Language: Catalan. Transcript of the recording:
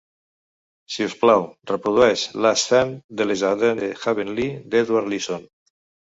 Si us plau reprodueix Last Fm de Le Jardin de Heavenly, d'Edward Leeson